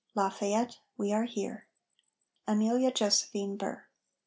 "Lafayette, we are here!" AMELIA JOSEPHINE BURR.